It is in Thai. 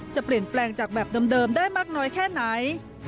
จะเปลี่ยนแปลงจากแบบเดิมได้มากน้อยแค่ไหน